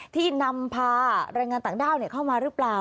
ที่นำพาแรงงานต่างด้าวเข้ามาหรือเปล่า